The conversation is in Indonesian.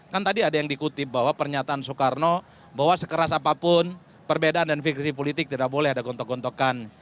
kan tadi ada yang dikutip bahwa pernyataan soekarno bahwa sekeras apapun perbedaan dan fikri politik tidak boleh ada gontok gontokan